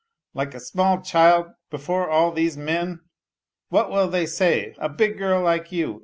... Like a small child ... before all these men. ... What will they say? ... A big girl like you .